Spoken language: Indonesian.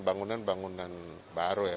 bangunan bangunan baru ya